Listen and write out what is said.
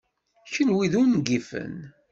Kenwi d ungifen!